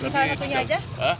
salah satunya aja